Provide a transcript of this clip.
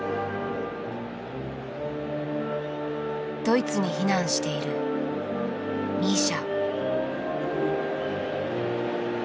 ドイツに避難しているミーシャ。